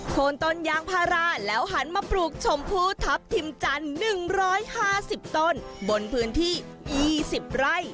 คนต้นยางพาราแล้วหันมาปลูกชมพูทัพทิมจันทร์๑๕๐ต้นบนพื้นที่๒๐ไร่